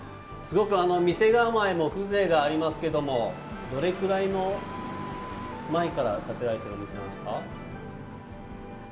すごく店構えも風情がありますけどどれくらい前に建てられたお店なんですか？